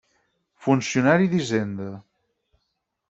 Funcionari d'Hisenda.